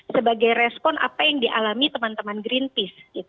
sebagai respon apa yang dialami teman teman greenpeace